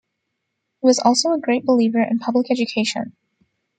He was also a great believer in public education.